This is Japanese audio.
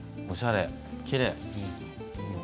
おしゃれ、きれい。